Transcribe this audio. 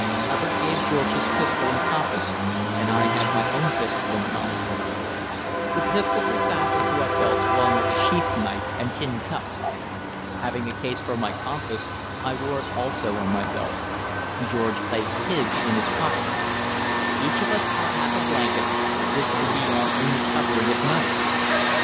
Hubbard gave George his pistol and compass, and I had my own pistol and compass. The pistols we fastened to our belts along with a sheath knife and tin cup. Having a case for my compass, I wore it also on my belt; George placed his in his pocket. Each of us had half a blanket, this to be our only covering at night.